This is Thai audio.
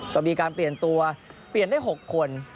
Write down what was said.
ก็มีการเปลี่ยนตัวเปลี่ยนได้๖คน